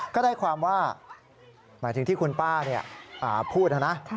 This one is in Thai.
ก็ได้ความว่าหมายถึงที่คุณป้าพูดนะนะ